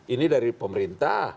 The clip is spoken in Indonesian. ini dari pemerintah